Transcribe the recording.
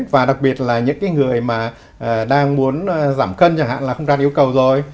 và đặc biệt là những cái người mà đang muốn giảm cân chẳng hạn là không đạt yêu cầu rồi